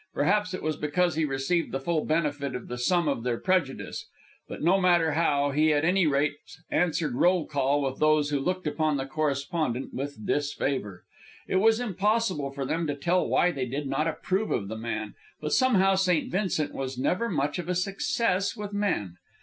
Perhaps it was because he received the full benefit of the sum of their prejudice; but no matter how, he at any rate answered roll call with those who looked upon the correspondent with disfavor. It was impossible for them to tell why they did not approve of the man, but somehow St. Vincent was never much of a success with men.